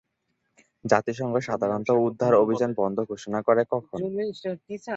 জাতিসংঘ সাধারণত উদ্ধার অভিযান বন্ধ ঘোষণা করে কখন?